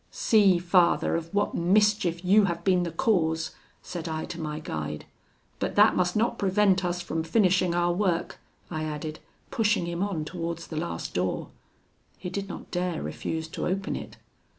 'See, Father, of what mischief you have been the cause,' said I to my guide; 'but that must not prevent us from finishing our work,' I added, pushing him on towards the last door. He did not dare refuse to open it.